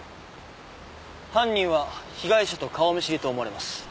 犯人は被害者と顔見知りと思われます。